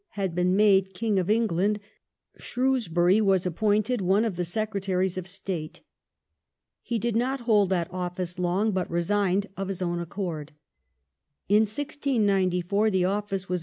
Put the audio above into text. had been made King of England, Shrewsbury was appointed one of the Secretaries of State. He did not hold that oiBice long, but re signed of his own accord. In 1694 the office was